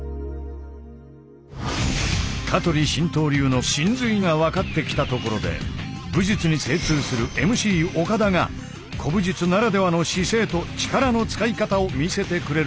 香取神道流の神髄が分かってきたところで武術に精通するＭＣ岡田が古武術ならではの姿勢と力の使い方を見せてくれることに。